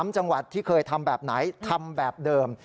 ๓จังหวัดที่เคยทำแบบไหนทำแบบเดิม